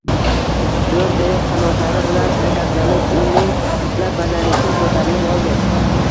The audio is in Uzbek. Zo‘r berib qanotlari bilan harakatlanib, u ming futlar balandlikka ko‘tarilib oldi